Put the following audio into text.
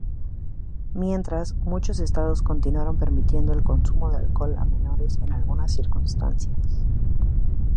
Mientras, muchos estados continuaron permitiendo el consumo de alcohol a menores en algunas circunstancias.